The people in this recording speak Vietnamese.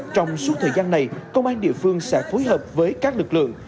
trong suốt thời gian này công an địa phương sẽ phối hợp với các lực lượng